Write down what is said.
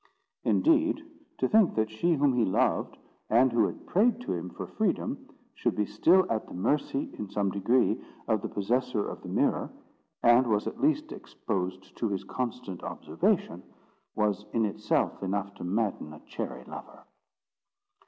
Indeed, to think that she whom he loved, and who had prayed to him for freedom, should be still at the mercy, in some degree, of the possessor of the mirror, and was at least exposed to his constant observation, was in itself enough to madden a chary lover.